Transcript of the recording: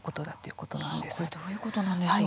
これどういうことなんでしょう？